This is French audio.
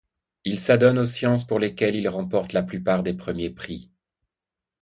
Il s'adonne aux sciences pour lesquelles il remporte la plupart des premiers prix.